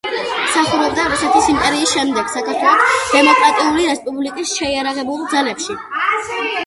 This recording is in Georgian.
მსახურობდა რუსეთის იმპერიის, შემდეგ საქართველოს დემოკრატიული რესპუბლიკის შეიარაღებულ ძალებში.